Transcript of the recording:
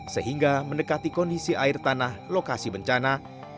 sehingga mendekati kondisi air tanah lokasi bencana